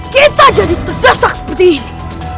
kita jadi terdesak seperti ini